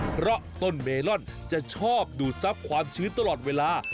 เพราะต้นเมลอนจะชอบดูดซับความชื้นตลอดเวลา